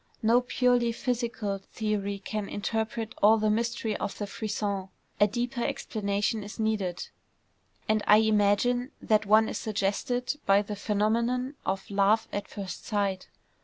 No purely physical theory can interpret all the mystery of the frisson. A deeper explanation is needed; and I imagine that one is suggested by the phenomenon of "love at first sight."